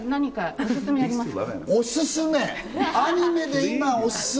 おすすめはありますか？